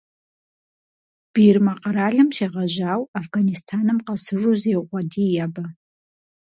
Бирмэ къэралым щегъэжьауэ Афганистаным къэсыжу зеукъуэдий абы.